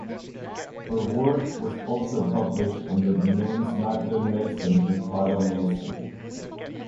Her work was also published under the names Madeline Mason and Tyler Mason.